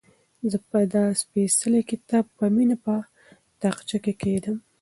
زه به دا سپېڅلی کتاب په مینه په تاقچه کې کېږدم.